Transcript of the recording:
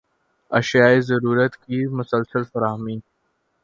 اشیائے ضرورت کی مسلسل فراہمی